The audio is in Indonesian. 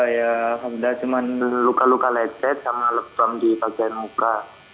ya alhamdulillah cuma luka luka lecet sama lebam di bagian muka